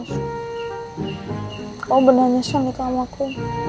jangan pernah nyesel nikah sama aku